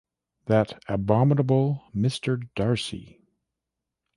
That abominable Mr. Darcy!